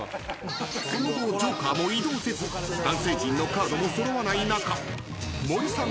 ［その後ジョーカーも移動せず男性陣のカードも揃わない中森さん